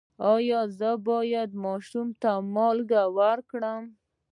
ایا زه باید ماشوم ته مالګه ورکړم؟